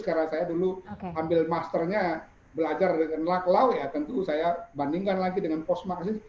karena saya dulu ambil masternya belajar dengan lak lau ya tentu saya bandingkan lagi dengan pos maksiis